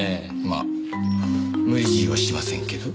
まあ無理強いはしませんけど。